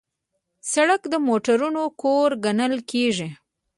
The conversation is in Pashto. سړک د موټرونو کور ګڼل کېږي.